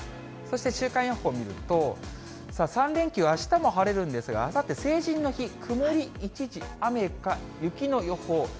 そして週間予報見ると、３連休、あしたも晴れるんですが、あさって、成人の日、曇り一時雨か雪の予報。